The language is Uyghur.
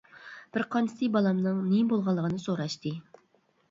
بىر قانچىسى بالامنىڭ نېمە بولغانلىقىنى سوراشتى.